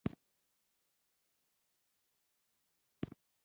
سعودي کې د اذان غږ هر ښار ته ځانګړی روح ورکوي.